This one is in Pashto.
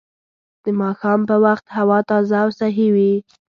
د ماښام په وخت هوا تازه او صحي وي